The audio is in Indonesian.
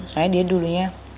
soalnya dia dulunya